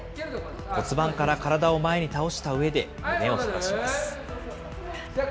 骨盤から体を前に倒したうえで胸を反らします。